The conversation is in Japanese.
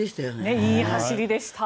いい走りでした。